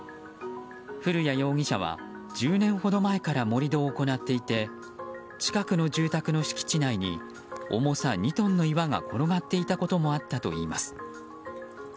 古屋容疑者は１０年ほど前から盛り土を行っていて近くの住宅の敷地内に重さ２トンの岩が転がっていたこともあったといいます。